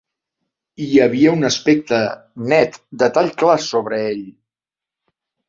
Hi havia un aspecte net, de tall clar sobre ell.